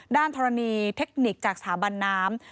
ธรณีเทคนิคจากสถาบันน้ำ